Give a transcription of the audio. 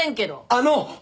あの！